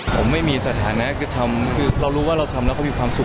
ผมไม่มีสถานะคือทำคือเรารู้ว่าเราทำแล้วเขามีความสุข